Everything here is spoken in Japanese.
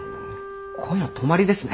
今夜は泊まりですね。